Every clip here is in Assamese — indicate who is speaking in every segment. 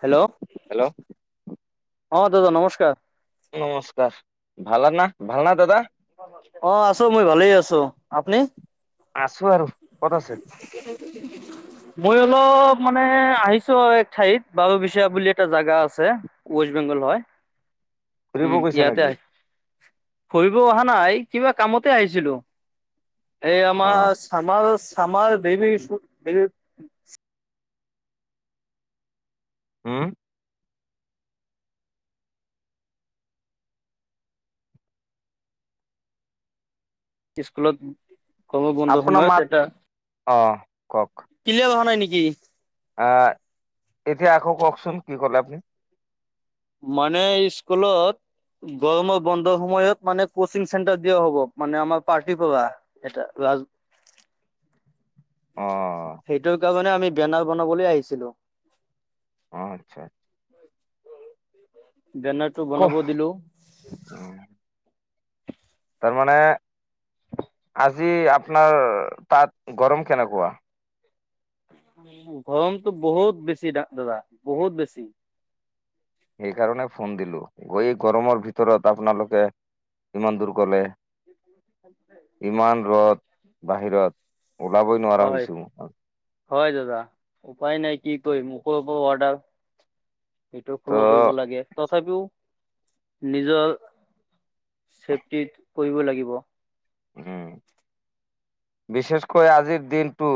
Speaker 1: হেল্ল',
Speaker 2: হেল্ল'
Speaker 1: অঁ দাদা নমস্কাৰ-
Speaker 2: নমস্কাৰ ভাল না ভাল না দাদা।
Speaker 1: অঁ আছো মই ভালেই আছো আপুনি-
Speaker 2: আছো আৰু ক'ত আছে।
Speaker 1: মই অলপ মানে আহিছো আৰু এক ঠাইত বাবু বিচয়া বুলি এটা জাগগা আছে ৱষ্টেং, জংগল হয়।
Speaker 2: ফুৰিব
Speaker 1: উম
Speaker 2: কৈছে
Speaker 1: ইয়াতে আহ
Speaker 2: নেকি।
Speaker 1: ফুৰিব অহা নাই কিবা কামতে আহিছিলো। এই
Speaker 2: অ',
Speaker 1: আমাৰ চামাৰ চামাৰ দেৰি
Speaker 2: হম
Speaker 1: স্কুলত গৰম গন্ধ
Speaker 2: আপোনাৰ মাত
Speaker 1: সময়ত এটা
Speaker 2: অ', কওক
Speaker 1: ক্লিয়া অহা নাই নেকি?
Speaker 2: আহ এতিয়া আকৌ কওঁকচোন কি ক'লে আপুনি
Speaker 1: মানে স্কুলত গৰমৰ বন্ধৰ সময়ত মানে কচিং চেণ্টাৰ দিয়া হ'ব মানে আমাৰ পাৰ্টিৰ পৰা এ- তাত
Speaker 2: [unintelligible] অ',
Speaker 1: সেইটো কাৰণে আমি বেনাৰ বনাবলৈ আহিছিলো।
Speaker 2: অঁ আচ্ছা আচ্ছা
Speaker 1: বেনাৰ টো বনাব দিলো।
Speaker 2: উম, তাৰমানে- আজি আপোনাৰ তাত গৰম কেনেকুৱা-
Speaker 1: গৰমটো বহুত বেছি দাদা বহুত বেছি-
Speaker 2: সেইকাৰণে ফোন দিলো এই গৰমৰ ভিতৰত আপোনালোকে- ইমান দূৰ গ'লে-
Speaker 1: [unintelligible]
Speaker 2: ইমান ৰ'দ বাহিৰত ওলাবই নোৱাৰা
Speaker 1: হয়
Speaker 2: হৈছো।
Speaker 1: হয় দাদা উপায় নাই কি কৰিম উপৰ পৰা অৰ্ডাৰ- সেইটো ফ'ল' কৰিব
Speaker 2: ত'
Speaker 1: লাগে তথাপিও- নিজৰ চেফটিত কৰিব লাগিব।
Speaker 2: উম। বিশেষকৈ আজিৰ দিনটো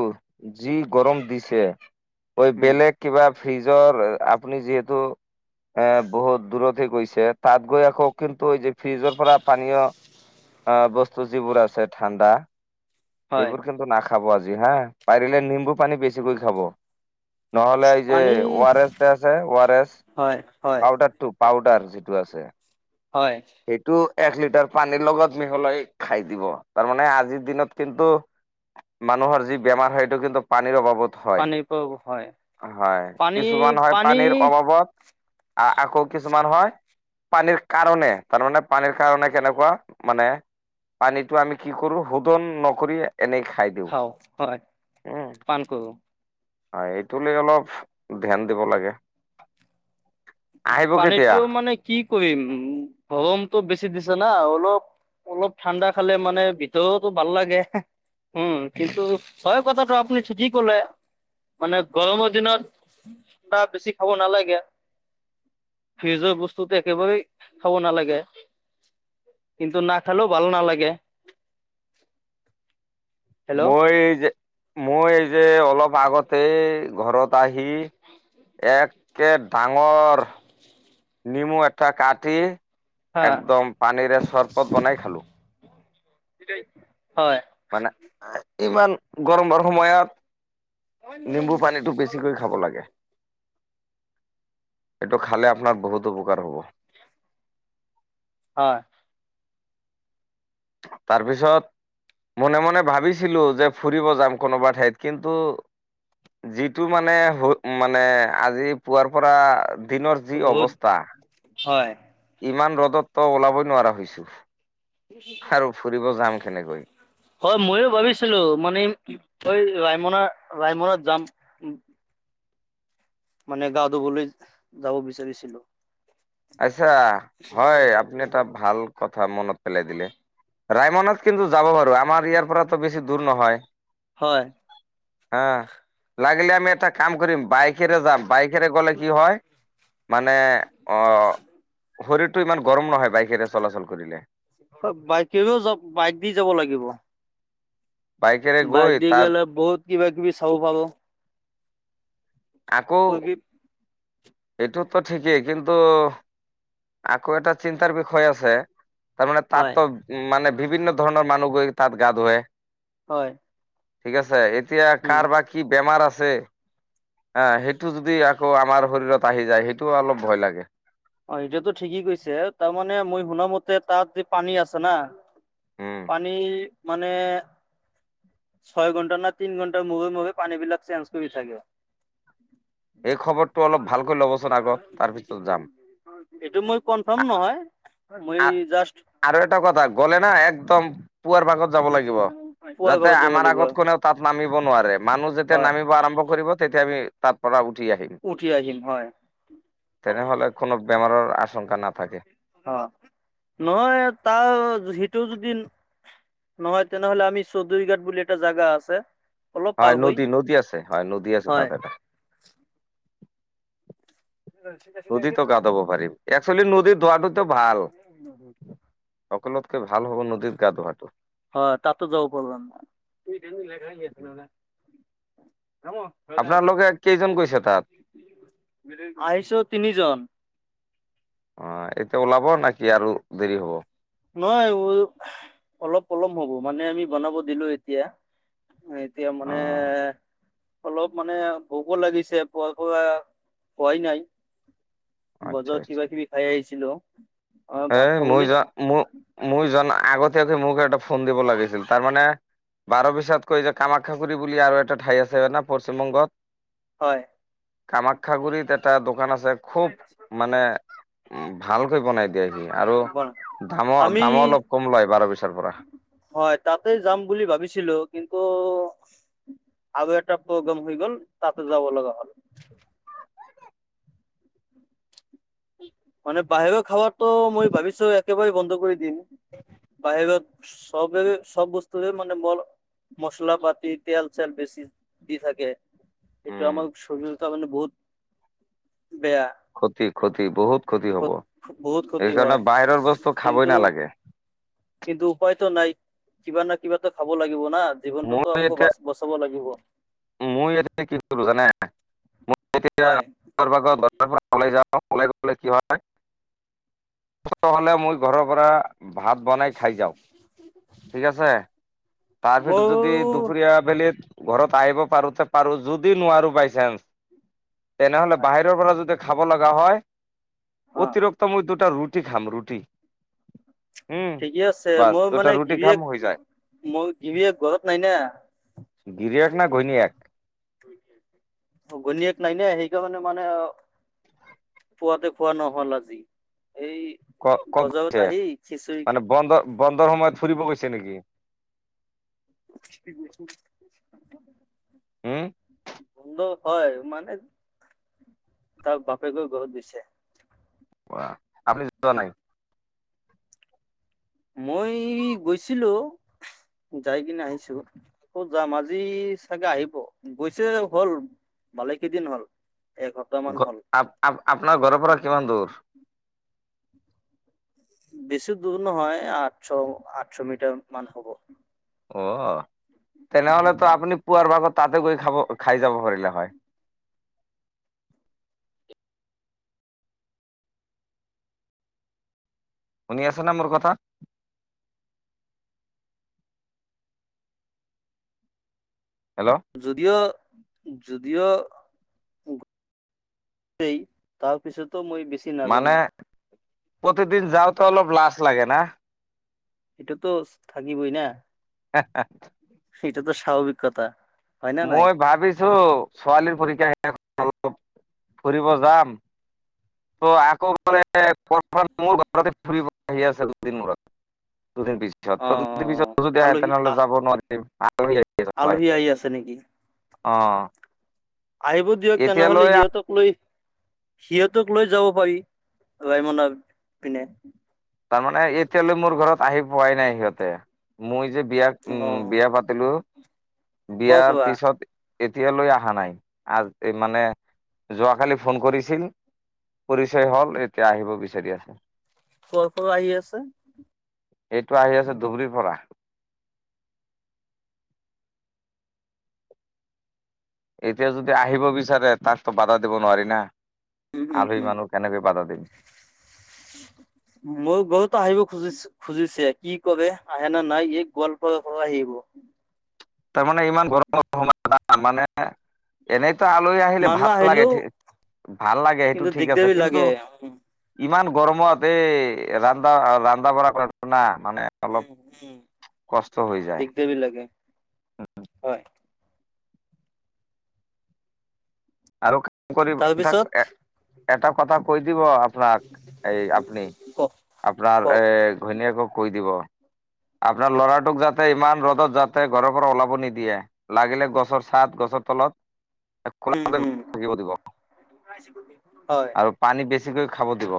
Speaker 2: যি গৰম দিছে। ঐ
Speaker 1: উম
Speaker 2: বেলেগ কিবা ফ্ৰিজৰ আপুনি যিহেতু এ বহুত দূৰতে গৈছে তাত গৈ আকৌ কিন্তু এই যে ফ্ৰিজৰ পৰা পানীয় অঁ বস্তু যিবোৰ আছে ঠাণ্ডা
Speaker 1: হয়
Speaker 2: সেইবোৰ কিন্তু নাখাব আজি হা পাৰিলে নিম্বু পানী বেছিকৈ খাব নহ'লে এই যে
Speaker 1: পানী
Speaker 2: ৱাৰ এছ তে আছে ৱাৰ এছ
Speaker 1: হয় হয়
Speaker 2: পাউদাৰটো পাউদাৰ যিটো আছে।
Speaker 1: হয়।
Speaker 2: সেইটো এক লিটাৰ পানীৰ লগত মিহলাই খাই দিব তাৰমানে আজিৰ দিনত কিন্তু মানুহৰ যি বেমাৰ হয় সটো কিন্তু পানীৰ অভাবত হয়।
Speaker 1: পানীৰ পৰা হয়
Speaker 2: হয়
Speaker 1: পানী
Speaker 2: কিছুমান হয়
Speaker 1: পানী
Speaker 2: পানীৰ অবাবত আহ আকৌ কিছুমান হয় পানীৰ কাৰণে তাৰমানে পানীৰ কাৰণে কেনেকুৱা মানে পানীতটো আমি কি কৰো শোধন নকৰি এনেই খাই দিওঁ
Speaker 1: খাওঁ হয়
Speaker 2: উম
Speaker 1: পান কৰো
Speaker 2: হয় এইটো ল অলপ ধ্যান দিব লাগে আহিব কেতিয়া
Speaker 1: পানীটো মানে কি কৰিম গৰমটো বেছি দিছে না অলপ অলপ ঠাণ্ডা খালে মানে ভিতৰতো ভাল লাগে। উম কিন্তু হয়য় কথাটো আপুনি ঠিকেই কলে। মানে গৰমৰ দিনত বা বেছি খাব নালাগে। ফ্ৰিজৰ বস্তুটো একেবাৰেই খাব নালাগে। কিন্তু নাখালেও ভাল নালাগে
Speaker 2: [unintelligible]
Speaker 1: হেল্ল'
Speaker 2: মই যে - মই যে অলপ আগতে ঘৰত দাহি একে ডাঙৰ নেমু একতা কাটি
Speaker 1: হা
Speaker 2: একদম পানীৰে চৰবত বনাই খালো।
Speaker 1: হয়
Speaker 2: মানে ইমান গৰমৰ সময়ত নিম্বু পানীটো বেছিকৈ খাব লাগে। এইটো খালে আপোনাৰ বহুত উপকাৰ হ'ব
Speaker 1: হয়
Speaker 2: তাৰপিছত মনে মনে ভাবিছিলো যে ফুৰিব যাম কোনোবা ঠাইত কিন্তু যিটো মানে মানে আজি পুৱাৰ পৰা দিনৰ যি
Speaker 1: ৰ'দ
Speaker 2: অৱস্থা
Speaker 1: হয়
Speaker 2: ইমান ত ত ওলাবই নোৱাৰা হৈছো আৰু ফুৰিব যাম কেনেকৈ
Speaker 1: হয় ময়ো ভাবিছিলো মানে এই ৰায়মনা ৰায়মনাত যাম উ মানে গা ধুবলৈ যাব বিচাৰিছিলো।
Speaker 2: আচ্ছা হয় আপুনি এটা ভাল কথা মনত পেলাই দিলে ৰায়মনাত কিন্তু যাব পাৰো আমাৰ ইয়াৰ পৰা তো বেছি দূৰ নহয়।
Speaker 1: হয়
Speaker 2: হা লাগিলে আমি এটা কাম কৰিম বাইকেৰে যাম বাইকেৰে গ'লে কি হয় মানে টো ইমান গৰম নহয় বাইকেৰে চলাচল কৰিলে
Speaker 1: হয় বাইকেও বাইক দি যাব লাগিব।
Speaker 2: বাইকেৰে
Speaker 1: বাইক
Speaker 2: গৈ
Speaker 1: দি
Speaker 2: তাত
Speaker 1: গলে বহুত কিবা কিবি চাব ভাল।
Speaker 2: আকৌ এইটোতো ঠিকেই কিন্তু আকৌ এটা চিন্তাৰ বিষয় আছে। তাৰমানে
Speaker 1: হয়
Speaker 2: তাততো উ মানে বিভিন্ন ধৰণৰ মানুহ গৈ তাত গা ধুৱে।
Speaker 1: হয়
Speaker 2: ঠিক আছে এতিয়া
Speaker 1: উম
Speaker 2: কাৰ বা কি বেমাৰ আছে। হ সেইটো যদি আকৌ আমাৰ শৰীৰত আহি যায় সেইটোও অলপ ভয় লাগে।
Speaker 1: অঁ এটোতো ঠিকেই কৈছে তাৰমানে মই শুনামতে তাত যে পানী আছে না।
Speaker 2: উম
Speaker 1: পানী মানে ছয় ঘন্টা ন তিন ঘণ্টা মুখে মুখে পানী বিলাক চেঞ্জ কৰি থাকে।
Speaker 2: এই খবৰটো অলপ ভালকৈ ল'বচোন আগত তাৰ পিছত যাম
Speaker 1: এইটো মই কনফাৰ্ম নহয়। মই
Speaker 2: আ
Speaker 1: জাষ্ট
Speaker 2: আৰু এটা কথা গ'লে না একদম পুৱাৰ ভাগত যাব লাগিব
Speaker 1: পুৱাৰ
Speaker 2: যাতে
Speaker 1: ভাগত যাব
Speaker 2: আমাৰ
Speaker 1: লাগিব
Speaker 2: আগত কোনেও তাত নামিব নোৱাৰে মানুহ যেতিয়া
Speaker 1: হয়
Speaker 2: নামিব আৰম্ভ কৰিব তেতিয়া আমি তাৰ পৰা উঠি আহিম
Speaker 1: উঠি আহিম হয়
Speaker 2: তেনেহলে কোনো বেমাৰৰ আশংকা না
Speaker 1: অঁ নহয় তাৰ সিটো। যদি নহয় তেনেহ'লে আমি চৌধুৰীঘাট বুলি এটা জাগা আছে। অলপ পাৰ
Speaker 2: হয়
Speaker 1: হৈ
Speaker 2: নদী নদী আছে হয় নদী আছে
Speaker 1: হয়
Speaker 2: তাত এটা নদীতো গা ধোব পাৰি একচোৱেলি নদীত গা ধোৱা তো ভাল সকলোতকে ভাল হব নদীত গা ধোৱাটো
Speaker 1: হয় তাতো যাব পার্লাম হয়।
Speaker 2: আপোনালোকে কেইজন গৈছে তাত।
Speaker 1: আহিছো তিনিজন।
Speaker 2: অ এতিয়া ওলাব নাকি আৰু দেৰি হ'ব।
Speaker 1: নহয় উ অলপ পলম হ'ব মানে আমি বনাব দিলো এতিয়া
Speaker 2: [inaudible]
Speaker 1: এতিয়া মানে অলপ মানে ভোকো লাগিছে পোৱা পৰা খোৱাই নাই
Speaker 2: আচ্ছা
Speaker 1: বজাত কিবা
Speaker 2: আচ্ছা
Speaker 1: কিবি খাই আহিছিলো অঁ ভাত খাবলৈ।
Speaker 2: ম মই জন আগতীয়াকে মোক এটা ফোন দিব লাগিছিল তাৰ মানে বাৰ বিশ্বাত কৈ যে কামাখ্যাগুৰি বুলি আৰু এটা ঠাই আছে না পশ্চিমবংগত
Speaker 1: হয়
Speaker 2: কামাখ্যাগুৰিত এটা দোকান আছে খুব মানে উ ভালকৈ বনাই। দিয়ি আৰু
Speaker 1: বনা-
Speaker 2: দামৰ
Speaker 1: আমি
Speaker 2: দামো অলপ কম লয় বাৰ পিছৰ পৰা।
Speaker 1: হয় তাতে যাম বুলি ভাবিছিলো। কিন্তু
Speaker 2: [unintelligible]
Speaker 1: আৰু এটা প্ৰগ্ৰাম হৈ গ'ল তাতে যাব লগা হ'ল মানে বাহিৰ খাবাতটো মই ভাবিছো একেবাৰেই বন্ধ কৰি দিম। বাহ সবে সব বস্তুৰে মানে ব মচলা পতি তেল চেল বেছি দি থাকে। এইটো
Speaker 2: উম
Speaker 1: আমাৰ সজতাৰ মানে বহুত বেয়া
Speaker 2: খতি খতি বহুত ক্ষতি হ'ব
Speaker 1: বহুত বহুত ক্ষতি
Speaker 2: সেইকাৰণে
Speaker 1: হয়
Speaker 2: বাহিৰৰ বস্তু
Speaker 1: কিন্তু
Speaker 2: খাবই নালাগে।
Speaker 1: কিন্তু উপায়তো নাই কিবা ন কিবা তো খাব লাগে। লাগিব না জীৱনটোতো
Speaker 2: মোৰ
Speaker 1: আকৌ
Speaker 2: এতিয়া
Speaker 1: বচাব লাগিব।
Speaker 2: মই ই কি কৰিলো জানে
Speaker 1: হয়
Speaker 2: তেতিয়াও য অকলে গলে কি হয় হ'লে মই ঘৰৰ পৰা ভাত বনাই খাই যাওঁক ঠিক আছে। তাৰপিছত
Speaker 1: মোৰ
Speaker 2: যদি দুপৰীয়া আবেলি ঘৰত আহিব পাৰো পাৰো যদি নোৱাৰো বাইচানস তেনেহলে
Speaker 1: হয়
Speaker 2: বাহিৰৰ পৰা যদি খাব লগা হয়
Speaker 1: অ
Speaker 2: অতিৰক্ত মূয় দুটা ৰুটি ৰুটি খাম ৰুটি উম
Speaker 1: ঠিকে আছে
Speaker 2: বাচ
Speaker 1: মই মানে
Speaker 2: গটা ৰুটি
Speaker 1: গিৰিয়েক
Speaker 2: খাম হৈ যায়
Speaker 1: মই গিৰিয়েক ঘৰত নাই না
Speaker 2: গিৰিয়েক না ঘৈণীয়েক।
Speaker 1: ঘণীয়েক নাই নে সেইকাৰণে মানে পুৱাতে খোৱা নহ'ল আজি। এই
Speaker 2: ক ক'ত
Speaker 1: বজাৰত
Speaker 2: গৈছে
Speaker 1: আহি খিচিৰি
Speaker 2: মানে বন্ধ বন্ধৰ সময়ত ফুৰিব গৈছে নেকি? উম
Speaker 1: বন্ধ- হয় মানে তাৰ বাপেকৰ ঘৰত গৈ।
Speaker 2: অ আপুনি যোৱা নাই।
Speaker 1: মই গৈছিলো। যাই কিনে আহিছো আকৌ যাম আজি চাগে আহিব গৈছে হল। ভালে কেইদিন হল। এসপ্তাহ মান হ'ল
Speaker 2: আপোনাৰ ঘৰৰ পৰা কিমান দূৰ-
Speaker 1: বেছি দূৰ নহয় আঠশ আঠশ মিটাৰ মান হব
Speaker 2: অ তেনেহলেতো আপুনি পুৱাৰ ভাগত - তাতে গৈ খাব খাই যাব পাৰলে হয়। শুনি আছে না মোৰ কথা হেল্ল'
Speaker 1: যদিও যদিও তাৰপিছত
Speaker 2: মানে প্ৰতিদিন যাওঁতে অলপ লাজ লাগে না।
Speaker 1: এটোতো থাকিবই ন
Speaker 2: হ
Speaker 1: সেইটোতো স্বাভাৱিক কথা হয় না নাই
Speaker 2: মই ভাবিছো ছোৱালীৰ পৰীক্ষা শেষ- অলপ ফুৰিব যাম। ত' আকৌ গ'লে মোৰ ঘৰতে ফুৰিব আহি আছে দুদিন মূৰত। দুদিন
Speaker 1: অ
Speaker 2: পিছত
Speaker 1: অ
Speaker 2: দুদিন
Speaker 1: অ
Speaker 2: পিছত যদি আহে
Speaker 1: আলহী
Speaker 2: তেনেহ'লে
Speaker 1: আহ
Speaker 2: যাব নোৱাৰিম।
Speaker 1: আলহী আহি আছে নেকি
Speaker 2: অ'
Speaker 1: আহিব দিয়ক তেনেহ'লে
Speaker 2: এতিয়ালৈ
Speaker 1: সিহঁতক লৈ সিহঁতক লৈ যাব পাৰি ৰায়মনা পিনে।
Speaker 2: তাৰমানানে এতিয়ালৈ মোৰ ঘৰত আহি পোৱাই নাই সিহঁতে। মই যে- বিয়া
Speaker 1: অ
Speaker 2: উম বিয়া পাতিলো।
Speaker 1: ক'ৰ
Speaker 2: বিয়াৰ
Speaker 1: পৰা
Speaker 2: পিছত- এতিয়ালৈ অহা নাই। আ মানে যোৱাকালি ফোন কৰিছিল। পৰিচয় হ'ল এতিয়া আহিব বিচাৰি আছে।
Speaker 1: কৰ পৰা আহি আছে?
Speaker 2: এইটো আহি আছে ধুবুৰীৰ পৰা। এতিয়া যদি আহিব বিচাৰে তাকতো বাধা দিব নোৱাৰি না।
Speaker 1: উম, উম,
Speaker 2: আলহী
Speaker 1: উম।
Speaker 2: মানুহ কেনেকৈ বাধা দিম।
Speaker 1: মোৰ বহুত আহিব খুজিছো। খুজিছে কি কৰে আহে নে নাই এই গোৱালপাৰা পৰা আহিব।
Speaker 2: তাৰমানে ইমান গৰমৰ সময় না মানে এনে আলহী আহিলে
Speaker 1: মানুহ
Speaker 2: ভাল লাগে
Speaker 1: আহিলেও
Speaker 2: ভাল লাগে সেইটো
Speaker 1: কিন্তু
Speaker 2: ঠিক আছে।
Speaker 1: দিগদাৰি
Speaker 2: কিন্তু
Speaker 1: লাগে। উম,
Speaker 2: ইমান গৰমত এই ৰান্ধা ৰান্ধা বঢ়া কৰাটো না। মানে অলপ
Speaker 1: উম, উম,
Speaker 2: কষ্ট হৈ যায়।
Speaker 1: দিগদাৰি লাগে
Speaker 2: অ
Speaker 1: হয়।
Speaker 2: আৰু কাম কৰিম তাক
Speaker 1: তাৰপিছত
Speaker 2: এটা এটা কথা কৈ দিব। আপোনাক এই আপুনি
Speaker 1: কওক
Speaker 2: আপোনাৰ
Speaker 1: কওক
Speaker 2: এ ঘৈণীয়েকক কৈ দিব। আপোনাৰ ল'ৰাটোক যাতে ইমান ৰ'দত যাতে ঘৰৰ পৰা ওলাব নিদিয়ে। লাগিলে গছৰ ছাট গছৰ তলত- [inaudible]
Speaker 1: উম, উম, হয়।
Speaker 2: আৰু পানী বেছি- বেছিকৈ খাব দিব।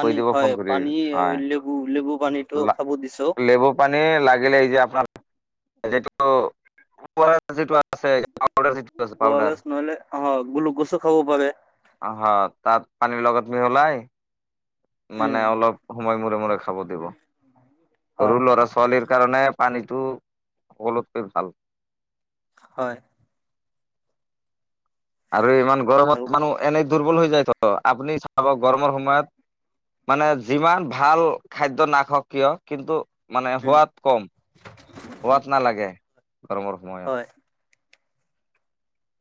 Speaker 2: কৈ দিব ফোন
Speaker 1: হয়
Speaker 2: কৰি
Speaker 1: পানী
Speaker 2: হা।
Speaker 1: লেবু লেবু পানীটো খাব দিছো।
Speaker 2: নেমু পানী- লাগিলে এই যে আপোনাৰটো যি- আছে। পাউডাৰ [inaudible]
Speaker 1: অ' আৰ
Speaker 2: পাউডাৰ
Speaker 1: এছ নহ'লে অ' গ্লু'কজো খাব পাৰে।
Speaker 2: আ' হা তাত পানীৰ লগত মিহলাই
Speaker 1: উম,
Speaker 2: মানে অলপ সময় মূৰে মূৰে খাব দিব। সৰু
Speaker 1: হয়,
Speaker 2: ল'ৰা-ছোৱালীৰ কাৰণে পানীটো সকলোতকৈ ভাল।
Speaker 1: হয়।
Speaker 2: আৰু ইমান
Speaker 1: আৰু
Speaker 2: গৰমত মানুহ এনেই দুৰ্বল হৈ যায় ত। আপুনি চাব গৰমৰ সময়ত মানে যিমান ভাল খাদ্য নাখাওঁক কিয়। কিন্তু মানে
Speaker 1: উম,
Speaker 2: হোৱাত কম, সোৱাদ নালাগে গৰমৰ সময়ত।
Speaker 1: হয়,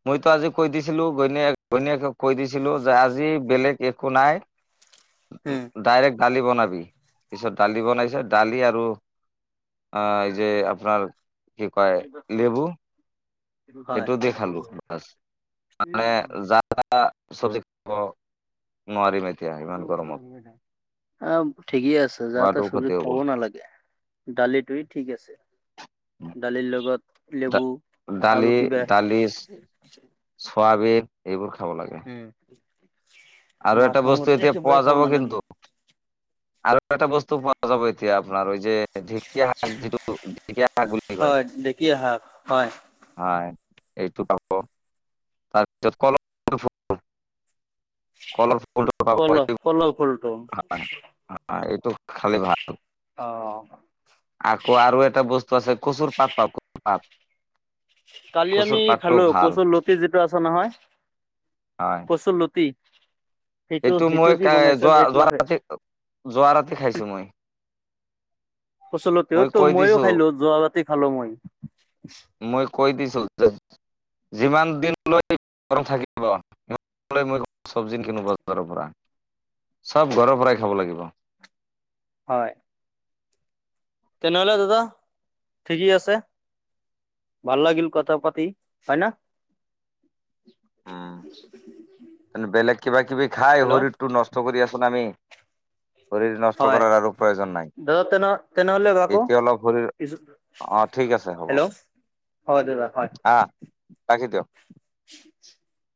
Speaker 2: মইতো আজি কৈ দিছিলো ঘৈণীয়েক য়ে গৈণীয়েকক কৈ দিছিলো যে আজি বেলেগ একো নাই।
Speaker 1: উম,
Speaker 2: ডাইৰেক্ট দালি বনাবি। পিছত দালি বনাইছে দালি আৰু আহ এই যে আপোনাৰ কি কয় নেমু
Speaker 1: হয়।
Speaker 2: সেইটো দি খালো বছ। মানে চবজি খাব নোৱাৰিম আজি
Speaker 1: আহ ঠিকেই আছে। যা তা
Speaker 2: খোৱাটো
Speaker 1: চবজি
Speaker 2: ক্ষতি হ'ব।
Speaker 1: খাবও নালাগে। দালিতোৱেই ঠিক আছে। দালিৰ লগত নেমু
Speaker 2: দালি
Speaker 1: আৰু কিবা
Speaker 2: খোৱাবি এইবোৰ খাব লাগে
Speaker 1: উম
Speaker 2: আৰু
Speaker 1: মাছ
Speaker 2: এটা
Speaker 1: মাংস
Speaker 2: বস্তু এতিয়া পোৱা
Speaker 1: একেবাৰে খাব
Speaker 2: যাব
Speaker 1: নালাগে
Speaker 2: কিন্তু। আৰু এটা বস্তু পোৱা যাব এতিয়া আপোনাৰ ঐ যে ঢেকীয়া শাক যিটো ঢেকীয়া শাক বুলি কয়।
Speaker 1: ধেকীয়া শাক। হয়
Speaker 2: হয় এইটো পাব। তাৰপিছতলল। [unintelligible]
Speaker 1: পল পলক ফুলটো।
Speaker 2: হ এইটো খালে ভাল।
Speaker 1: অ
Speaker 2: আকৌ আৰু এটা বস্তু আছে কচুৰ পাত পা কচুৰ পাত।
Speaker 1: কালি আমি
Speaker 2: কচুৰ পাতটো
Speaker 1: খালো
Speaker 2: ভাল
Speaker 1: কচু লতি যিটো আছে নহয় কচুৰ লতি।
Speaker 2: সেইটো মই
Speaker 1: দি
Speaker 2: যোৱা
Speaker 1: বনাইছিল সেইটো
Speaker 2: যোৱা ৰাতি, যোৱা ৰাতি খাইছো মই। মই
Speaker 1: ফচলতেওতো
Speaker 2: কৈ
Speaker 1: মইো
Speaker 2: দিছো
Speaker 1: খাইলো যোৱ বতি খালো মই।
Speaker 2: মই কৈ দিছো যিমান দিন লৈ। গৰ থাকিব চব্জিন কিনো বজাৰৰ পৰা। চব ঘৰৰ পৰাই খাব লাগিব।
Speaker 1: হয় তেনেহলে দাদা, ঠিকেই আছে। ভাল লাগিল কথা পাতি হয়না।
Speaker 2: উম বেলেগ কিবা কিবি খাই
Speaker 1: হেল্ল'
Speaker 2: শৰীৰটো নষ্ট কৰি আছে। পুনামি। শৰীৰ নষ্ট
Speaker 1: হয়
Speaker 2: কৰাৰ আৰু প্ৰয়োজন নাই
Speaker 1: দাদা তেনে তেনেহলে ৰাখো
Speaker 2: এতিয়া অলপ
Speaker 1: পিছত
Speaker 2: শৰীৰিক। ঠিক আছে হ'ব।
Speaker 1: হেল্ল' হয় দাদা হয়।
Speaker 2: আহ ৰাখি দিয়ক
Speaker 1: [unintelligible]